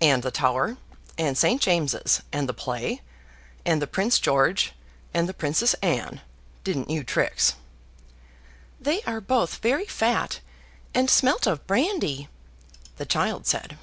and the Tower; and St. James's; and the play; and the Prince George, and the Princess Anne didn't you, Trix?" "They are both very fat, and smelt of brandy," the child said.